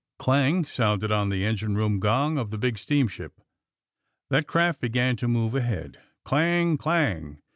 ^' Clang! sounded on the engine room gong of the big steamship. That craft began to move ahead. Clang! clang!